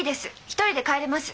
一人で帰れます。